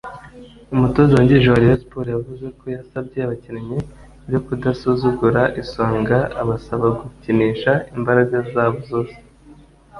umutoza wungirije wa Rayon Sports yavuze ko yasabye abakinnyi be kudasuzugura Isonga abasaba gukinisha imbaraga zabo zose